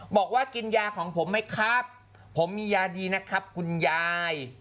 บอกว่ากินยาของผมไหมครับผมมียาดีนะครับคุณยาย